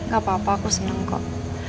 gak apa apa aku seneng kok